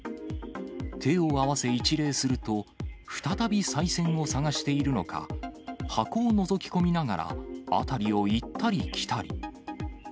手を合わせ一礼すると、再びさい銭を探しているのか、箱をのぞき込みながら、辺りを行ったり来たり。